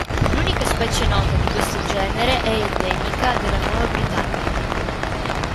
L'unica specie nota di questo genere è endemica della Nuova Britannia.